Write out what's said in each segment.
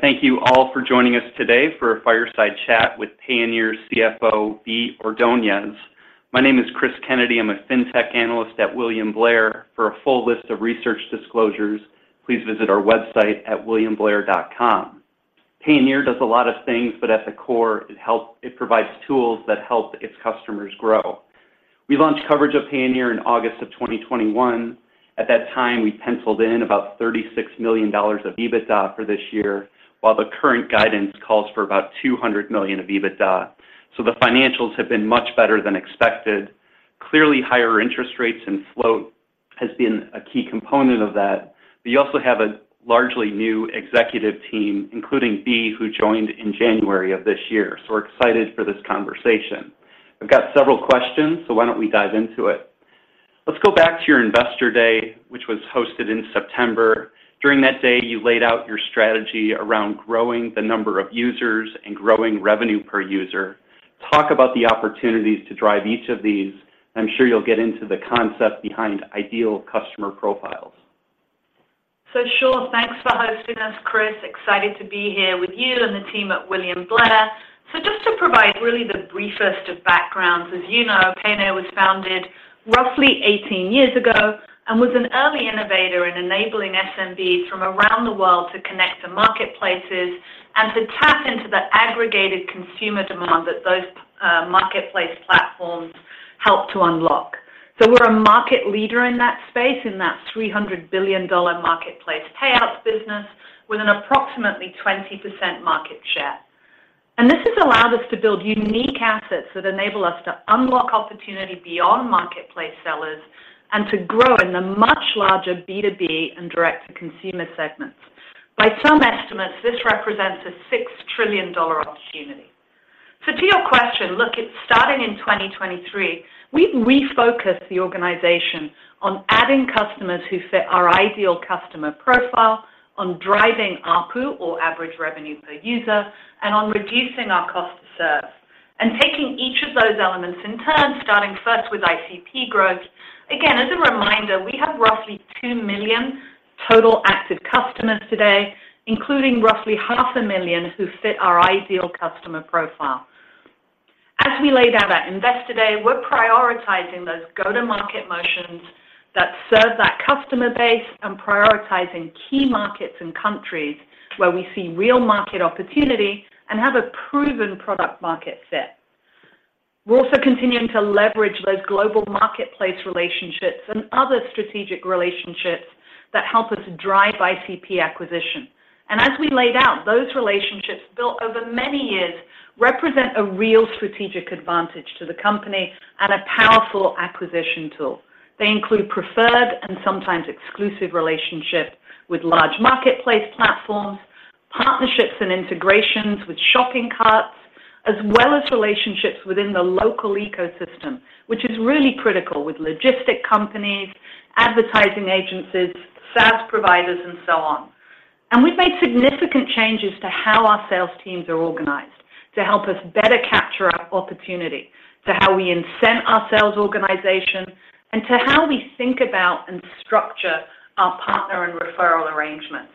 Thank you all for joining us today for a fireside chat with Payoneer CFO, Bea Ordonez. My name is Cris Kennedy. I'm a Fintech analyst at William Blair. For a full list of research disclosures, please visit our website at williamblair.com. Payoneer does a lot of things, but at the core, it provides tools that help its customers grow. We launched coverage of Payoneer in August 2021. At that time, we penciled in about $36 million of EBITDA for this year, while the current guidance calls for about $200 million of EBITDA. So the financials have been much better than expected. Clearly, higher interest rates and float has been a key component of that, but you also have a largely new executive team, including Bea, who joined in January of this year. So we're excited for this conversation. I've got several questions, so why don't we dive into it? Let's go back to your Investor Day, which was hosted in September. During that day, you laid out your strategy around growing the number of users and growing revenue per user. Talk about the opportunities to drive each of these. I'm sure you'll get into the concept behind ideal customer profiles. So sure. Thanks for hosting us, Cris. Excited to be here with you and the team at William Blair. So just to provide really the briefest of backgrounds, as you know, Payoneer was founded roughly 18 years ago and was an early innovator in enabling SMBs from around the world to connect to marketplaces and to tap into the aggregated consumer demand that those marketplace platforms helped to unlock. So we're a market leader in that space, in that $300 billion marketplace payouts business, with an approximately 20% market share. And this has allowed us to build unique assets that enable us to unlock opportunity beyond marketplace sellers and to grow in the much larger B2B and direct-to-consumer segments. By some estimates, this represents a $6 trillion opportunity. So to your question, look, starting in 2023, we refocused the organization on adding customers who fit our ideal customer profile, on driving ARPU or Average Revenue Per User, and on reducing our cost to serve. Taking each of those elements in turn, starting first with ICP growth. Again, as a reminder, we have roughly 2 million total active customers today, including roughly 500,000 who fit our ideal customer profile. As we laid out at Investor Day, we're prioritizing those go-to-market motions that serve that customer base and prioritizing key markets and countries where we see real market opportunity and have a proven product market fit. We're also continuing to leverage those global marketplace relationships and other strategic relationships that help us drive ICP acquisition. As we laid out, those relationships, built over many years, represent a real strategic advantage to the company and a powerful acquisition tool. They include preferred and sometimes exclusive relationships with large marketplace platforms, partnerships and integrations with shopping carts, as well as relationships within the local ecosystem, which is really critical with logistic companies, advertising agencies, SaaS providers, and so on. And we've made significant changes to how our sales teams are organized to help us better capture our opportunity, to how we incent our sales organization, and to how we think about and structure our partner and referral arrangements.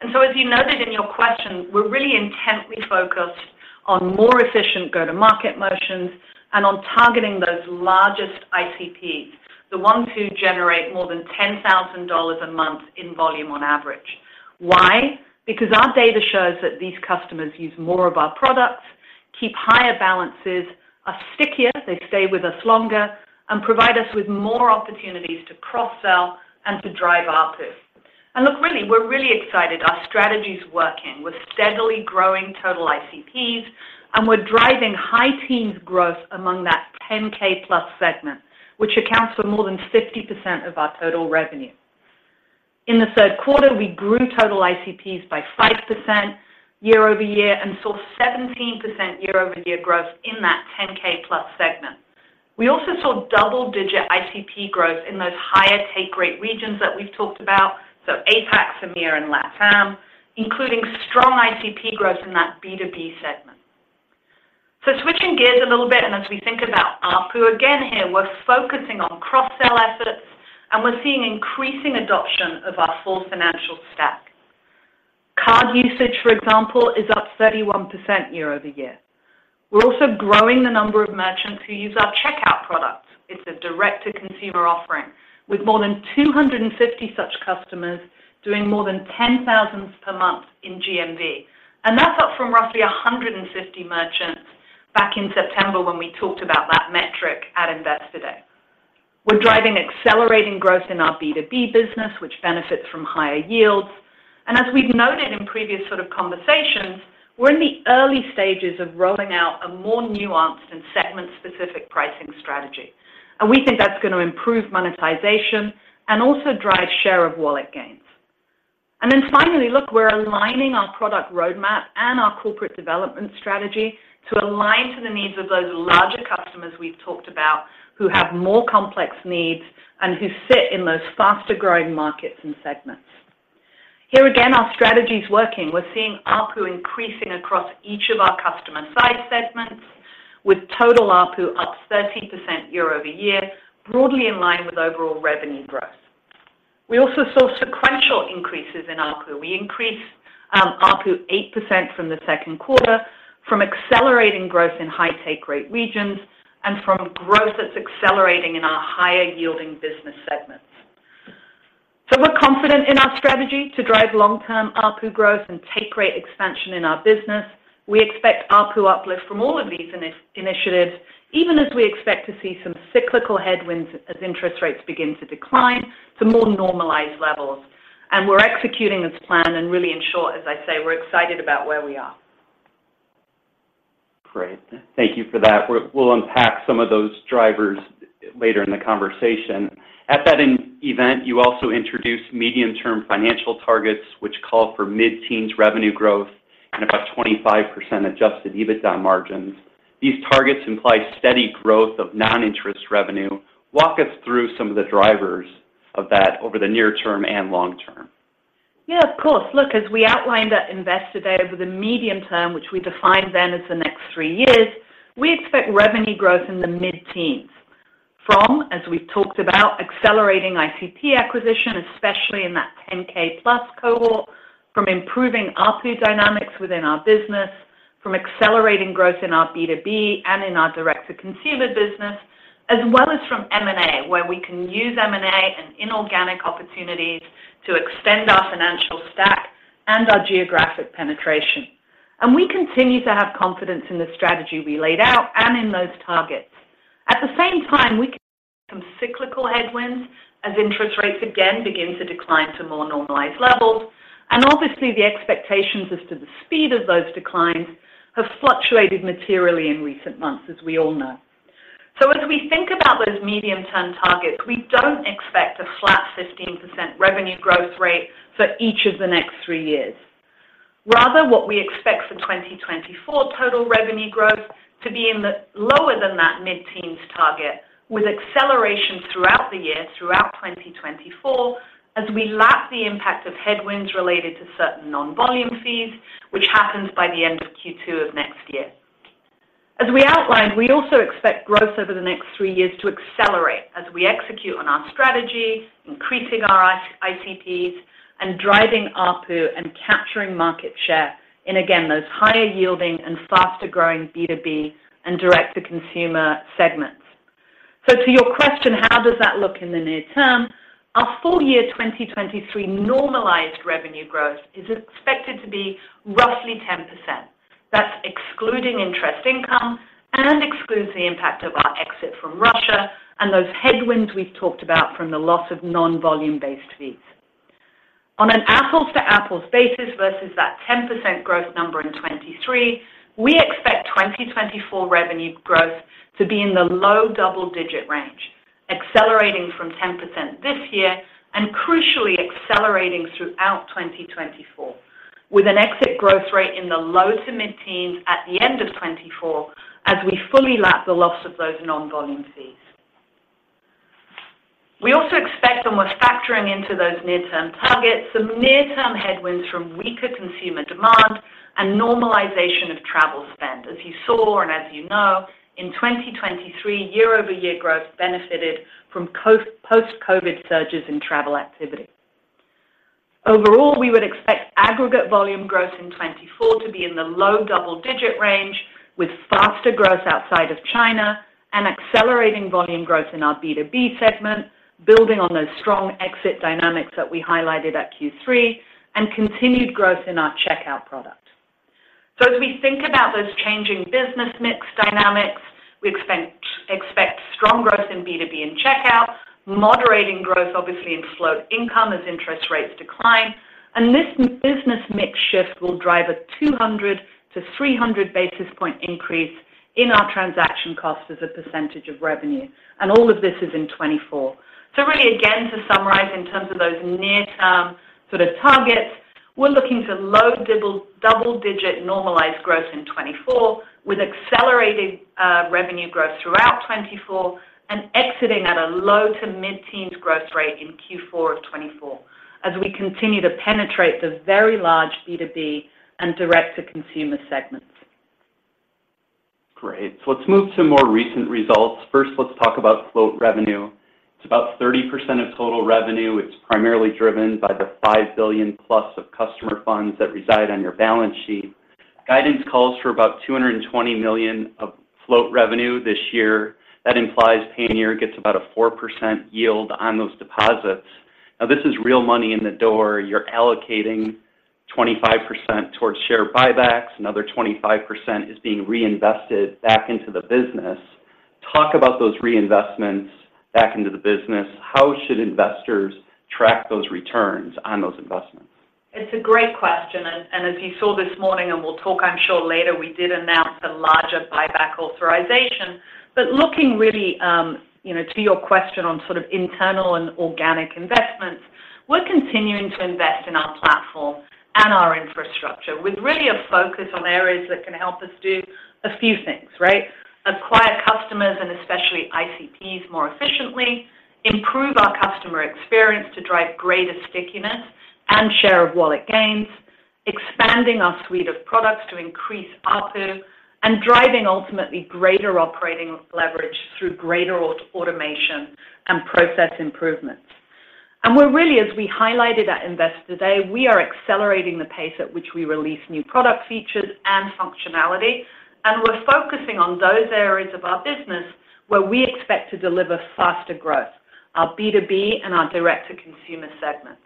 And so, as you noted in your question, we're really intently focused on more efficient go-to-market motions and on targeting those largest ICPs, the ones who generate more than $10,000 a month in volume on average. Why? Because our data shows that these customers use more of our products, keep higher balances, are stickier, they stay with us longer, and provide us with more opportunities to cross-sell and to drive ARPU. And look, really, we're really excited. Our strategy's working. We're steadily growing total ICPs, and we're driving high teens growth among that 10K+ segment, which accounts for more than 50% of our total revenue. In the third quarter, we grew total ICPs by 5% year-over-year and saw 17% year-over-year growth in that 10K+ segment. We also saw double-digit ICP growth in those higher take rate regions that we've talked about, so APAC, EMEA, and LATAM, including strong ICP growth in that B2B segment. So switching gears a little bit, and as we think about ARPU, again here, we're focusing on cross-sell efforts, and we're seeing increasing adoption of our full financial stack. Card usage, for example, is up 31% year-over-year. We're also growing the number of merchants who use our Checkout product. It's a direct-to-consumer offering, with more than 250 such customers doing more than 10,000 per month in GMV. And that's up from roughly 150 merchants back in September, when we talked about that metric at Investor Day. We're driving accelerating growth in our B2B business, which benefits from higher yields. And as we've noted in previous sort of conversations, we're in the early stages of rolling out a more nuanced and segment-specific pricing strategy. And we think that's going to improve monetization and also drive share of wallet gains. And then finally, look, we're aligning our product roadmap and our corporate development strategy to align to the needs of those larger customers we've talked about, who have more complex needs and who sit in those faster-growing markets and segments. Here, again, our strategy is working. We're seeing ARPU increasing across each of our customer size segments, with total ARPU up 13% year-over-year, broadly in line with overall revenue growth. We also saw sequential increases in ARPU. We increased ARPU 8% from the second quarter, from accelerating growth in high take rate regions and from growth that's accelerating in our higher-yielding business segments. So we're confident in our strategy to drive long-term ARPU growth and take rate expansion in our business. We expect ARPU uplift from all of these initiatives, even as we expect to see some cyclical headwinds as interest rates begin to decline to more normalized levels. And we're executing this plan, and really in short, as I say, we're excited about where we are. Great. Thank you for that. We'll unpack some of those drivers later in the conversation. At that event, you also introduced medium-term financial targets, which call for mid-teens revenue growth and about 25% adjusted EBITDA margins. These targets imply steady growth of non-interest revenue. Walk us through some of the drivers of that over the near term and long term. Yeah, of course. Look, as we outlined at Investor Day, over the medium term, which we defined then as the next three years, we expect revenue growth in the mid-teens. From, as we've talked about, accelerating ICP acquisition, especially in that 10K+ cohort, from improving ARPU dynamics within our business, from accelerating growth in our B2B and in our direct-to-consumer business, as well as from M&A, where we can use M&A and inorganic opportunities to extend our financial stack and our geographic penetration. And we continue to have confidence in the strategy we laid out and in those targets. At the same time, we face some cyclical headwinds as interest rates again begin to decline to more normalized levels, and obviously, the expectations as to the speed of those declines have fluctuated materially in recent months, as we all know. So as we think about those medium-term targets, we don't expect a flat 15% revenue growth rate for each of the next three years. Rather, what we expect for 2024 total revenue growth to be in the lower than that mid-teens target, with acceleration throughout the year, throughout 2024, as we lap the impact of headwinds related to certain non-volume fees, which happens by the end of Q2 of next year. As we outlined, we also expect growth over the next three years to accelerate as we execute on our strategy, increasing our ICPs and driving ARPU and capturing market share in, again, those higher-yielding and faster-growing B2B and direct-to-consumer segments. So to your question, how does that look in the near term? Our full year 2023 normalized revenue growth is expected to be roughly 10%. That's excluding interest income and excludes the impact of our exit from Russia and those headwinds we've talked about from the loss of non-volume-based fees. On an apples-to-apples basis, versus that 10% growth number in 2023, we expect 2024 revenue growth to be in the low double-digit range, accelerating from 10% this year and crucially accelerating throughout 2024, with an exit growth rate in the low to mid-teens at the end of 2024, as we fully lap the loss of those non-volume fees. We also expect, and we're factoring into those near-term targets, some near-term headwinds from weaker consumer demand and normalization of travel spend. As you saw and as you know, in 2023, year-over-year growth benefited from post-COVID surges in travel activity. Overall, we would expect aggregate volume growth in 2024 to be in the low double-digit range, with faster growth outside of China and accelerating volume growth in our B2B segment, building on those strong exit dynamics that we highlighted at Q3 and continued growth in our Checkout product. So as we think about those changing business mix dynamics, we expect strong growth in B2B and Checkout, moderating growth, obviously in float income as interest rates decline. And this business mix shift will drive a 200-300 basis point increase in our transaction cost as a percentage of revenue, and all of this is in 2024. So really, again, to summarize in terms of those near-term sort of targets, we're looking to low double, double-digit normalized growth in 2024, with accelerated revenue growth throughout 2024 and exiting at a low to mid-teens growth rate in Q4 of 2024, as we continue to penetrate the very large B2B and direct-to-consumer segments. Great. So let's move to more recent results. First, let's talk about float revenue. It's about 30% of total revenue. It's primarily driven by the $5 billion+ of customer funds that reside on your balance sheet. Guidance calls for about $220 million of float revenue this year. That implies Payoneer gets about a 4% yield on those deposits. Now, this is real money in the door. You're allocating 25% towards share buybacks. Another 25% is being reinvested back into the business. Talk about those reinvestments back into the business. How should investors track those returns on those investments? It's a great question, and as you saw this morning, and we'll talk, I'm sure, later, we did announce a larger buyback authorization. But looking really, you know, to your question on sort of internal and organic investments, we're continuing to invest in our platform and our infrastructure with really a focus on areas that can help us do a few things, right? Acquire customers and especially ICPs more efficiently, improve our customer experience to drive greater stickiness and share of wallet gains, expanding our suite of products to increase ARPU, and driving ultimately greater operating leverage through greater automation and process improvements. We're really, as we highlighted at Investor Day, we are accelerating the pace at which we release new product features and functionality, and we're focusing on those areas of our business where we expect to deliver faster growth, our B2B and our direct-to-consumer segments.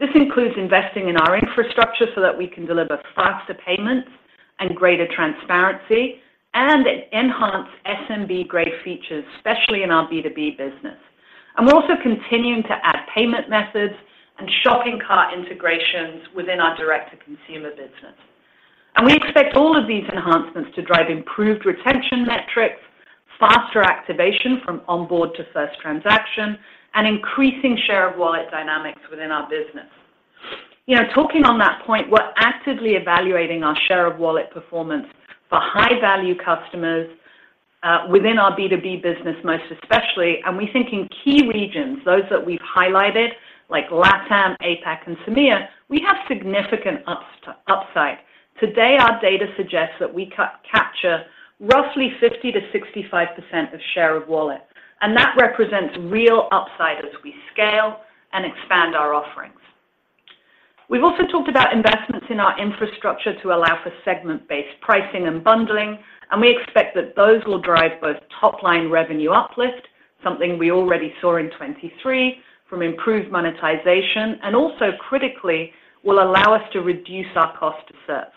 This includes investing in our infrastructure so that we can deliver faster payments and greater transparency, and enhance SMB-grade features, especially in our B2B business. We're also continuing to add payment methods and shopping cart integrations within our direct-to-consumer business. We expect all of these enhancements to drive improved retention metrics, faster activation from onboard to first transaction, and increasing share of wallet dynamics within our business. You know, talking on that point, we're actively evaluating our share of wallet performance for high-value customers within our B2B business, most especially, and we think in key regions, those that we've highlighted, like LATAM, APAC, and EMEA, we have significant upside. Today, our data suggests that we capture roughly 50%-65% of share of wallet, and that represents real upside as we scale and expand our offerings. We've also talked about investments in our infrastructure to allow for segment-based pricing and bundling, and we expect that those will drive both top-line revenue uplift, something we already saw in 2023, from improved monetization, and also critically, will allow us to reduce our cost to serve.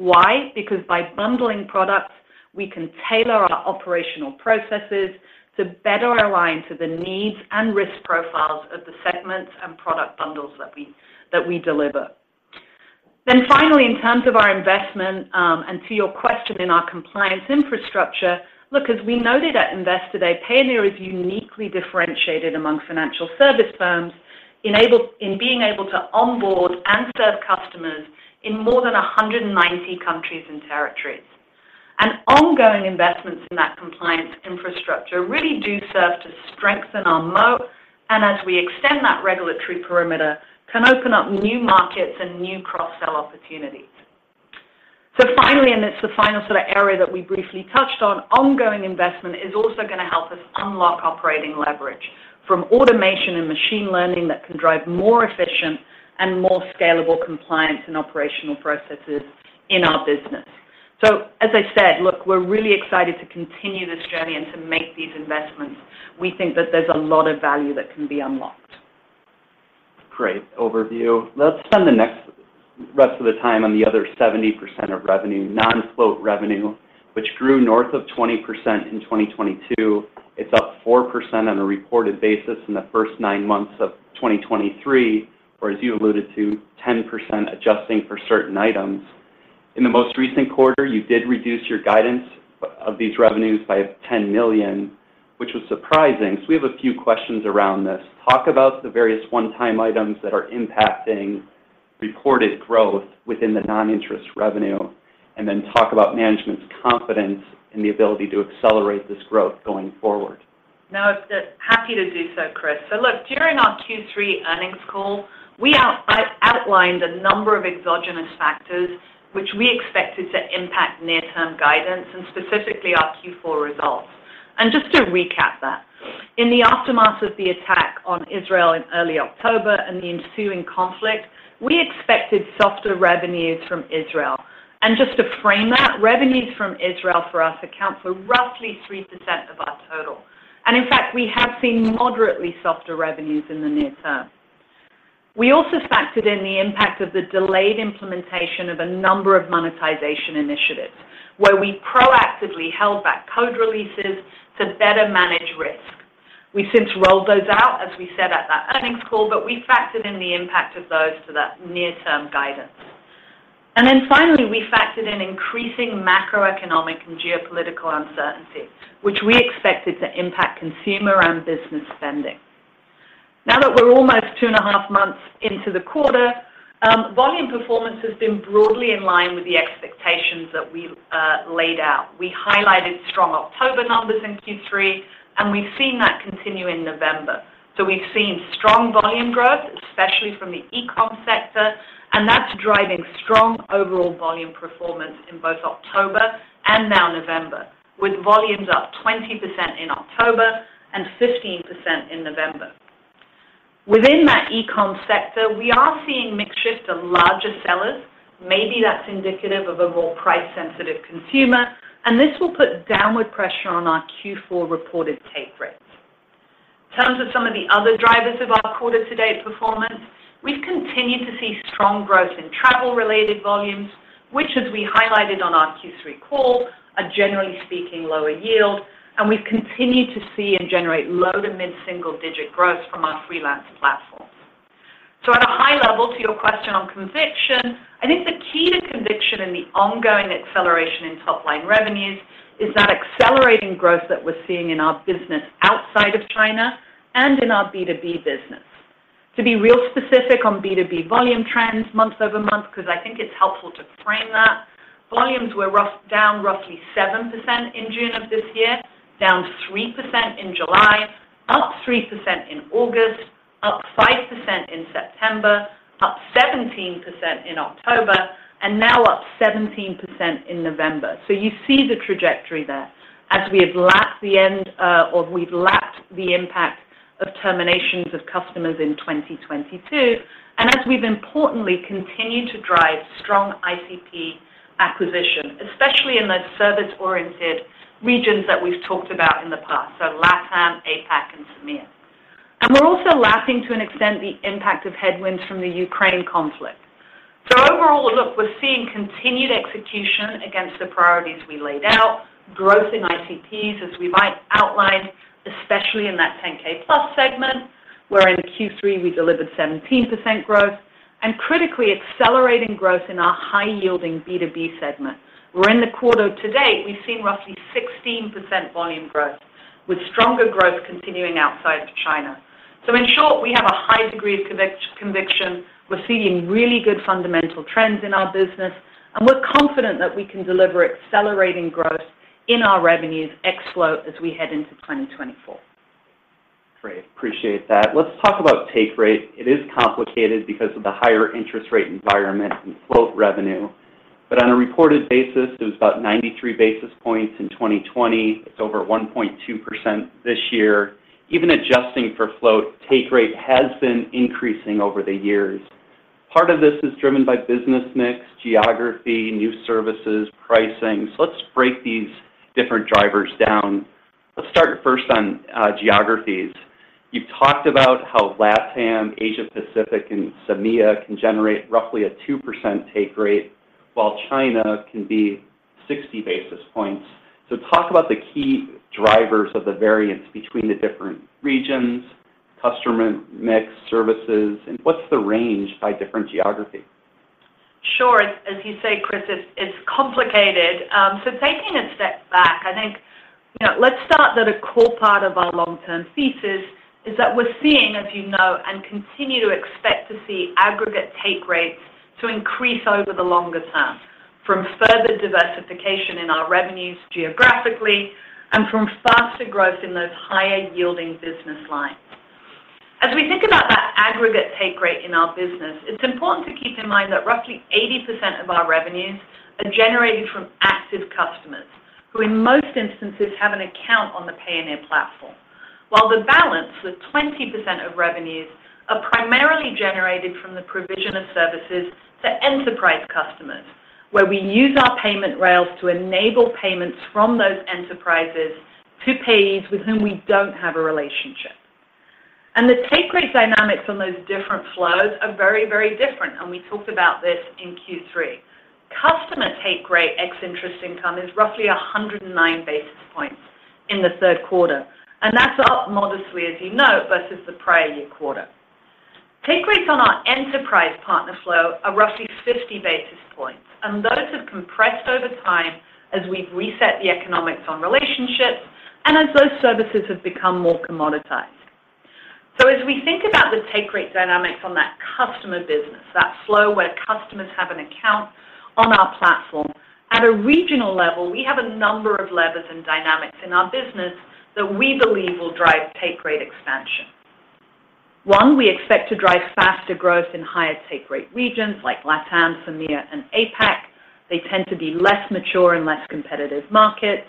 Why? Because by bundling products, we can tailor our operational processes to better align to the needs and risk profiles of the segments and product bundles that we deliver. Then finally, in terms of our investment, and to your question in our compliance infrastructure, look, as we noted at Investor Day, Payoneer is uniquely differentiated among financial service firms, enabled in being able to onboard and serve customers in more than 190 countries and territories. And ongoing investments in that compliance infrastructure really do serve to strengthen our moat, and as we extend that regulatory perimeter, can open up new markets and new cross-sell opportunities. So finally, and it's the final sort of area that we briefly touched on, ongoing investment is also going to help us unlock operating leverage from automation and machine learning that can drive more efficient and more scalable compliance and operational processes in our business. So as I said, look, we're really excited to continue this journey and to make these investments. We think that there's a lot of value that can be unlocked. Great overview. Let's spend the next rest of the time on the other 70% of revenue, non-float revenue, which grew north of 20% in 2022. It's up 4% on a reported basis in the first nine months of 2023, or as you alluded to, 10% adjusting for certain items. In the most recent quarter, you did reduce your guidance of these revenues by $10 million, which was surprising. So we have a few questions around this. Talk about the various one-time items that are impacting reported growth within the non-interest revenue, and then talk about management's confidence in the ability to accelerate this growth going forward. No, happy to do so, Cris. So look, during our Q3 earnings call, we outlined a number of exogenous factors which we expected to impact near-term guidance and specifically our Q4 results. And just to recap that, in the aftermath of the attack on Israel in early October and the ensuing conflict, we expected softer revenues from Israel. And just to frame that, revenues from Israel for us account for roughly 3% of our total. And in fact, we have seen moderately softer revenues in the near term. We also factored in the impact of the delayed implementation of a number of monetization initiatives, where we proactively held back code releases to better manage risk. We since rolled those out, as we said at that earnings call, but we factored in the impact of those to that near-term guidance. And then finally, we factored in increasing macroeconomic and geopolitical uncertainty, which we expected to impact consumer and business spending. Now that we're almost two and a half months into the quarter, volume performance has been broadly in line with the expectations that we laid out. We highlighted strong October numbers in Q3, and we've seen that continue in November. So we've seen strong volume growth, especially from the e-com sector, and that's driving strong overall volume performance in both October and now November, with volumes up 20% in October and 15% in November. Within that e-com sector, we are seeing mix shift to larger sellers. Maybe that's indicative of a more price-sensitive consumer, and this will put downward pressure on our Q4 reported take rates. In terms of some of the other drivers of our quarter-to-date performance, we've continued to see strong growth in travel-related volumes, which, as we highlighted on our Q3 call, are, generally speaking, lower yield, and we've continued to see and generate low- to mid-single-digit growth from our freelancer platforms. So at a high level, to your question on conviction, I think the key to conviction in the ongoing acceleration in top-line revenues is that accelerating growth that we're seeing in our business outside of China and in our B2B business. To be real specific on B2B volume trends month-over-month, because I think it's helpful to frame that, volumes were down roughly 7% in June of this year, down 3% in July, up 3% in August, up 5% in September, up 17% in October, and now up 17% in November. So you see the trajectory there. As we have lapped the end or we've lapped the impact of terminations of customers in 2022, and as we've importantly continued to drive strong ICP acquisition, especially in those service-oriented regions that we've talked about in the past, so LATAM, APAC, and EMEA. And we're also lapping, to an extent, the impact of headwinds from the Ukraine conflict. So overall, look, we're seeing continued execution against the priorities we laid out, growth in ICPs, as we might outline, especially in that 10K+ segment, where in Q3 we delivered 17% growth, and critically accelerating growth in our high-yielding B2B segment, where in the quarter to date, we've seen roughly 16% volume growth, with stronger growth continuing outside of China. So in short, we have a high degree of conviction. We're seeing really good fundamental trends in our business, and we're confident that we can deliver accelerating growth in our revenues ex float as we head into 2024. Great. Appreciate that. Let's talk about take rate. It is complicated because of the higher interest rate environment and float revenue, but on a reported basis, it was about 93 basis points in 2020. It's over 1.2% this year. Even adjusting for float, take rate has been increasing over the years. Part of this is driven by business mix, geography, new services, pricing. So let's break these different drivers down. Let's start first on geographies. You've talked about how LATAM, Asia Pacific, and EMEA can generate roughly a 2% take rate, while China can be 60 basis points. So talk about the key drivers of the variance between the different regions, customer mix, services, and what's the range by different geography? Sure. As you say, Cris, it's complicated. So taking a step back, I think, you know, let's start that a core part of our long-term thesis is that we're seeing, as you know, and continue to expect to see aggregate take rates to increase over the longer term from further diversification in our revenues geographically and from faster growth in those higher-yielding business lines. As we think about that aggregate take rate in our business, it's important to keep in mind that roughly 80% of our revenues are generated from active customers, who in most instances, have an account on the Payoneer platform. While the balance, the 20% of revenues, are primarily generated from the provision of services to enterprise customers, where we use our payment rails to enable payments from those enterprises to payees with whom we don't have a relationship. The take rate dynamics on those different flows are very, very different, and we talked about this in Q3. Customer take rate ex-interest income is roughly 109 basis points in the third quarter, and that's up modestly, as you know, versus the prior year quarter. Take rates on our enterprise partner flow are roughly 50 basis points, and those have compressed over time as we've reset the economics on relationships and as those services have become more commoditized. So as we think about the take rate dynamics on that customer business, that flow where customers have an account on our platform, at a regional level, we have a number of levers and dynamics in our business that we believe will drive take rate expansion. One, we expect to drive faster growth in higher take rate regions like LATAM, EMEA, and APAC. They tend to be less mature and less competitive markets.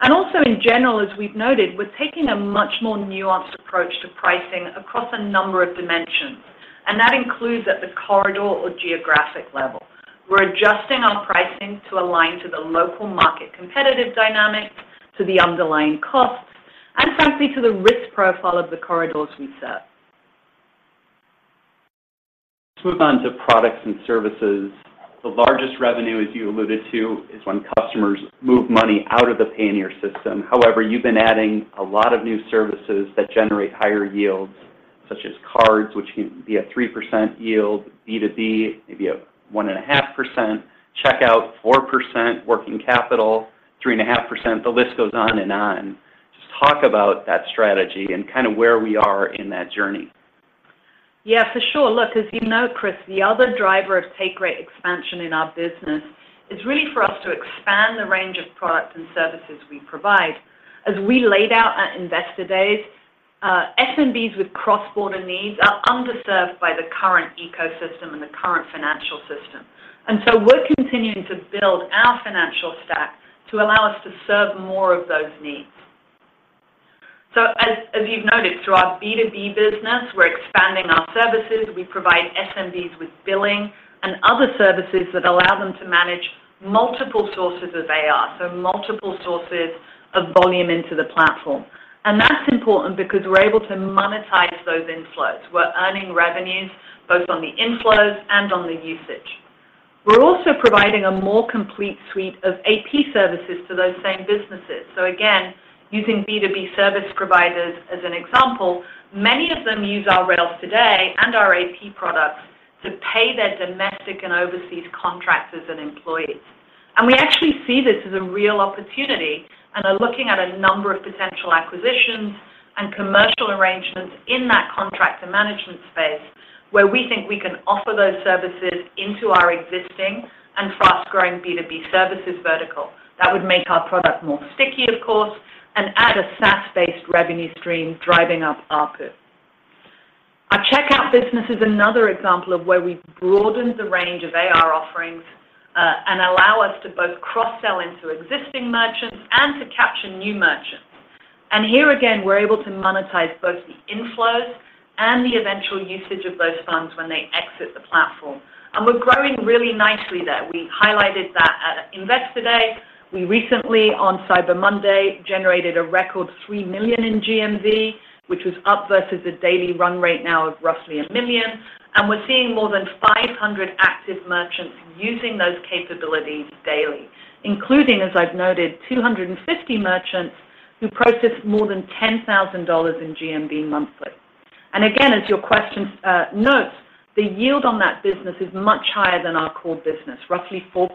Also in general, as we've noted, we're taking a much more nuanced approach to pricing across a number of dimensions, and that includes at the corridor or geographic level. We're adjusting our pricing to align to the local market competitive dynamics, to the underlying costs, and frankly, to the risk profile of the corridors we serve. Let's move on to products and services. The largest revenue, as you alluded to, is when customers move money out of the Payoneer system. However, you've been adding a lot of new services that generate higher yields, such as cards, which can be a 3% yield, B2B, maybe a 1.5%, Checkout, 4%, working capital, 3.5%. The list goes on and on. Just talk about that strategy and kinda where we are in that journey. Yeah, for sure. Look, as you know, Cris, the other driver of take rate expansion in our business is really for us to expand the range of products and services we provide. As we laid out at Investor Day, SMBs with cross-border needs are underserved by the current ecosystem and the current financial system. And so we're continuing to build our financial stack to allow us to serve more of those needs. So as you've noticed, through our B2B business, we're expanding our services. We provide SMBs with billing and other services that allow them to manage multiple sources of AR, so multiple sources of volume into the platform. And that's important because we're able to monetize those inflows. We're earning revenues both on the inflows and on the usage. We're also providing a more complete suite of AP services to those same businesses. So again, using B2B service providers as an example, many of them use our rails today and our AP products to pay their domestic and overseas contractors and employees. And we actually see this as a real opportunity and are looking at a number of potential acquisitions and commercial arrangements in that contractor management space... where we think we can offer those services into our existing and fast-growing B2B services vertical. That would make our product more sticky, of course, and add a SaaS-based revenue stream, driving up ARPU. Our Checkout business is another example of where we've broadened the range of AR offerings, and allow us to both cross-sell into existing merchants and to capture new merchants. And here again, we're able to monetize both the inflows and the eventual usage of those funds when they exit the platform. And we're growing really nicely there. We highlighted that at Investor Day. We recently, on Cyber Monday, generated a record $3 million in GMV, which was up versus a daily run rate now of roughly $1 million, and we're seeing more than 500 active merchants using those capabilities daily, including, as I've noted, 250 merchants who process more than $10,000 in GMV monthly. And again, as your question notes, the yield on that business is much higher than our core business, roughly 4%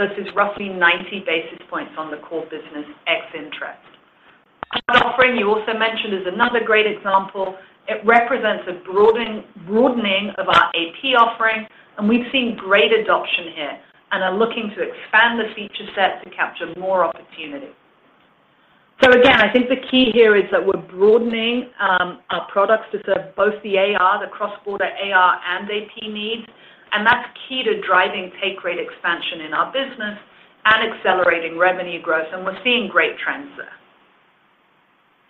versus roughly 90 basis points on the core business ex-interest. Our offering you also mentioned is another great example. It represents a broadening of our AP offering, and we've seen great adoption here and are looking to expand the feature set to capture more opportunity. So again, I think the key here is that we're broadening our products to serve both the AR, the cross-border AR and AP needs, and that's key to driving take rate expansion in our business and accelerating revenue growth, and we're seeing great trends there.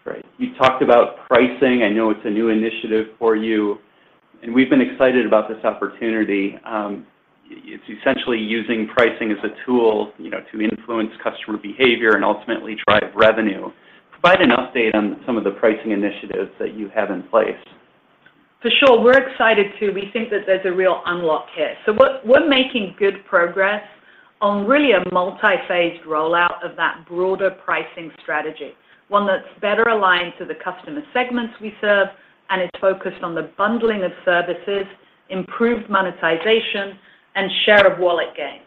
Great. You talked about pricing. I know it's a new initiative for you, and we've been excited about this opportunity. It's essentially using pricing as a tool, you know, to influence customer behavior and ultimately drive revenue. Provide an update on some of the pricing initiatives that you have in place. For sure. We're excited, too. We think that there's a real unlock here. So we're making good progress on really a multi-phased rollout of that broader pricing strategy, one that's better aligned to the customer segments we serve and is focused on the bundling of services, improved monetization, and share of wallet gains.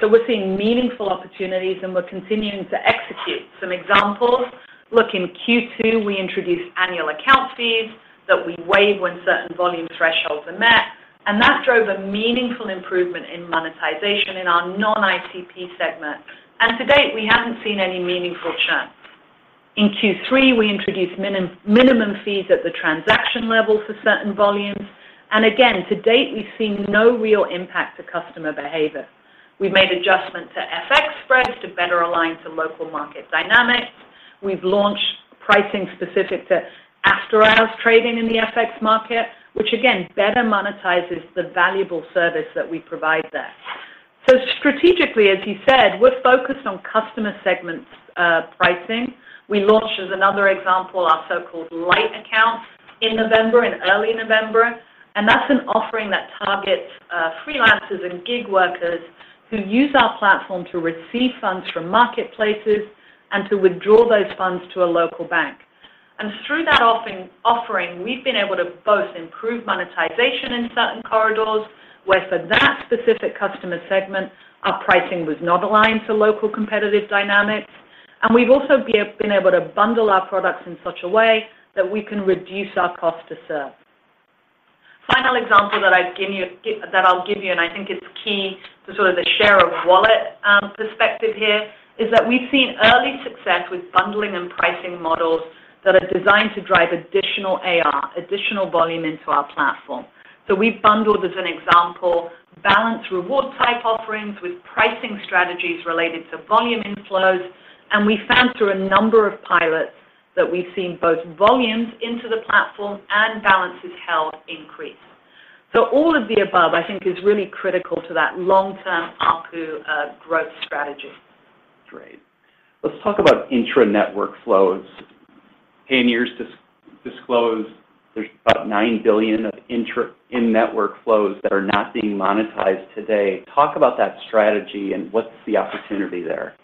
So we're seeing meaningful opportunities, and we're continuing to execute. Some examples, look, in Q2, we introduced annual account fees that we waive when certain volume thresholds are met, and that drove a meaningful improvement in monetization in our non-ICP segment. And to date, we haven't seen any meaningful churn. In Q3, we introduced minimum fees at the transaction level for certain volumes, and again, to date, we've seen no real impact to customer behavior. We've made adjustments to FX spreads to better align to local market dynamics. We've launched pricing specific to after-hours trading in the FX market, which again, better monetizes the valuable service that we provide there. So strategically, as you said, we're focused on customer segments, pricing. We launched, as another example, our so-called Light Account in November, in early November, and that's an offering that targets freelancers and gig workers who use our platform to receive funds from marketplaces and to withdraw those funds to a local bank. And through that offering, we've been able to both improve monetization in certain corridors, where for that specific customer segment, our pricing was not aligned to local competitive dynamics, and we've also been able to bundle our products in such a way that we can reduce our cost to serve. Final example that I'd give you... That I'll give you, and I think it's key to sort of the share of wallet perspective here, is that we've seen early success with bundling and pricing models that are designed to drive additional AR, additional volume into our platform. So we've bundled, as an example, balance reward-type offerings with pricing strategies related to volume inflows, and we found through a number of pilots that we've seen both volumes into the platform and balances held increase. So all of the above, I think, is really critical to that long-term ARPU growth strategy. Great. Let's talk about intra-network flows. Payoneer disclosed there's about $9 billion of intra-network flows that are not being monetized today. Talk about that strategy and what's the opportunity there.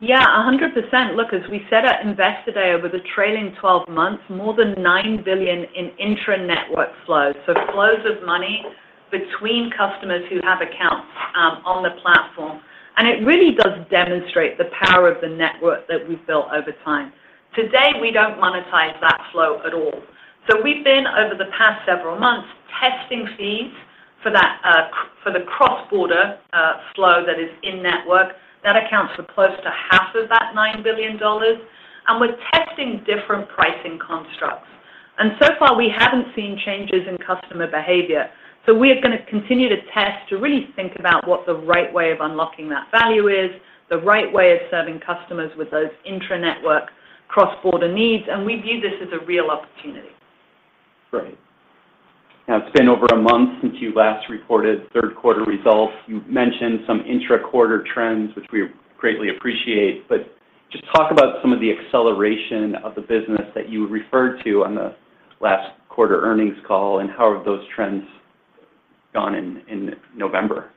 Yeah, 100%. Look, as we said at Investor Day, over the trailing 12 months, more than $9 billion in intra-network flows, so flows of money between customers who have accounts on the platform. And it really does demonstrate the power of the network that we've built over time. Today, we don't monetize that flow at all. So we've been, over the past several months, testing fees for that for the cross-border flow that is in-network. That accounts for close to half of that $9 billion, and we're testing different pricing constructs. And so far, we haven't seen changes in customer behavior. So we're going to continue to test to really think about what the right way of unlocking that value is, the right way of serving customers with those intra-network, cross-border needs, and we view this as a real opportunity. Great. Now, it's been over a month since you last reported third quarter results. You've mentioned some intra-quarter trends, which we greatly appreciate, but just talk about some of the acceleration of the business that you referred to on the last quarter earnings call, and how have those trends gone in November?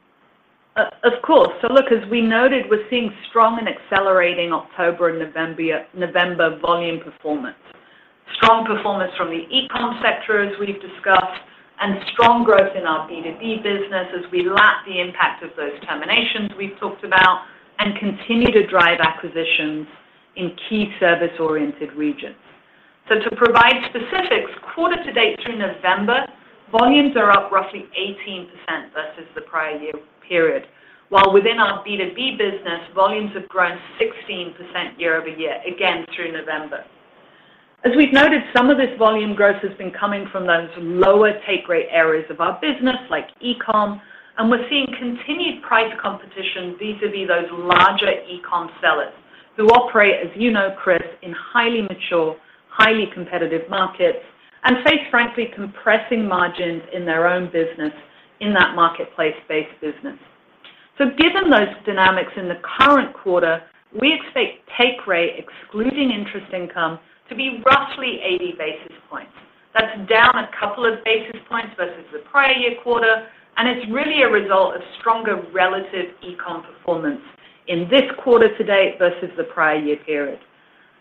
Of course. So look, as we noted, we're seeing strong and accelerating October and November volume performance. Strong performance from the e-com sector, as we've discussed, and strong growth in our B2B business as we lap the impact of those terminations we've talked about and continue to drive acquisitions in key service-oriented regions. So to provide specifics, quarter to date through November, volumes are up roughly 18% versus the prior year period. While within our B2B business, volumes have grown 16% year-over-year, again, through November. As we've noted, some of this volume growth has been coming from those lower take rate areas of our business like e-com, and we're seeing continued price competition vis-a-vis those larger e-com sellers who operate, as you know, Cris, in highly mature, highly competitive markets and face, frankly, compressing margins in their own business in that marketplace-based business. So given those dynamics in the current quarter, we expect take rate, excluding interest income, to be roughly 80 basis points. That's down a couple of basis points versus the prior year quarter, and it's really a result of stronger relative e-com performance in this quarter to date versus the prior year period.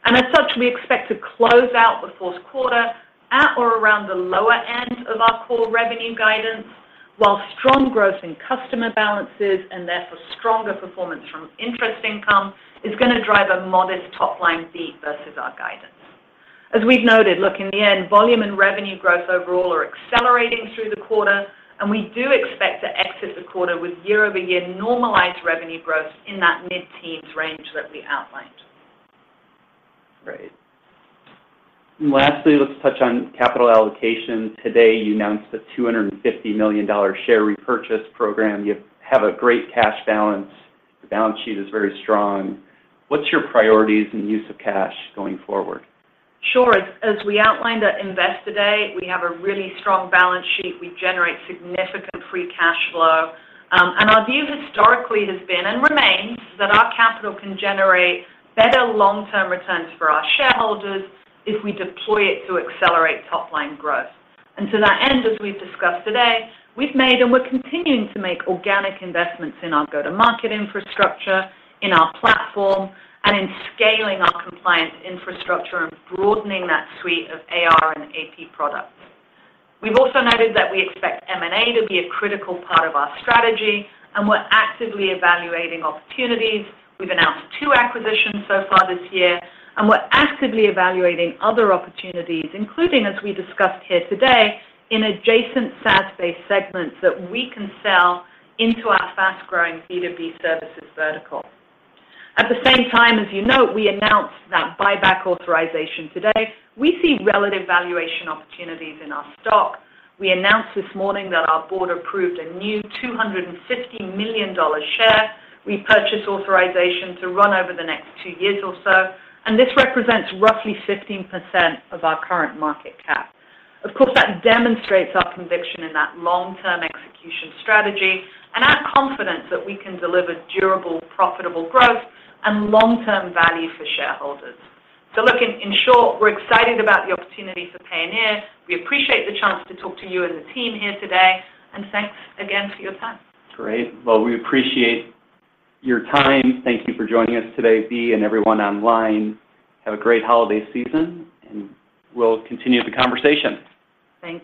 And as such, we expect to close out the fourth quarter at or around the lower end of our core revenue guidance, while strong growth in customer balances and therefore stronger performance from interest income is gonna drive a modest top line beat versus our guidance. As we've noted, look, in the end, volume and revenue growth overall are accelerating through the quarter, and we do expect to exit the quarter with year-over-year normalized revenue growth in that mid-teens range that we outlined. Great. Lastly, let's touch on capital allocation. Today, you announced a $250 million share repurchase program. You have a great cash balance. The balance sheet is very strong. What's your priorities and use of cash going forward? Sure. As we outlined at Investor Day, we have a really strong balance sheet. We generate significant free cash flow. And our view historically has been, and remains, that our capital can generate better long-term returns for our shareholders if we deploy it to accelerate top line growth. And to that end, as we've discussed today, we've made and we're continuing to make organic investments in our go-to-market infrastructure, in our platform, and in scaling our compliance infrastructure and broadening that suite of AR and AP products. We've also noted that we expect M&A to be a critical part of our strategy, and we're actively evaluating opportunities. We've announced two acquisitions so far this year, and we're actively evaluating other opportunities, including, as we discussed here today, in adjacent SaaS-based segments that we can sell into our fast-growing B2B services vertical. At the same time, as you know, we announced that buyback authorization today. We see relative valuation opportunities in our stock. We announced this morning that our board approved a new $250 million share. We purchased authorization to run over the next two years or so, and this represents roughly 15% of our current market cap. Of course, that demonstrates our conviction in that long-term execution strategy and our confidence that we can deliver durable, profitable growth and long-term value for shareholders. So look, in short, we're excited about the opportunity for Payoneer. We appreciate the chance to talk to you and the team here today, and thanks again for your time. Great! Well, we appreciate your time. Thank you for joining us today, Bea and everyone online. Have a great holiday season, and we'll continue the conversation. Thank you.